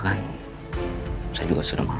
gak bisa diterima